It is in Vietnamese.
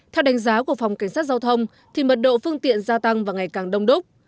theo đánh giá của phòng cảnh sát giao thông thì mật độ phương tiện gia tăng và ngày càng đông đúc